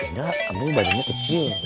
engap ambring badannya kecil